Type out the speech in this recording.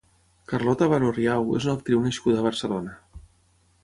Carlota Baró Riau és una actriu nascuda a Barcelona.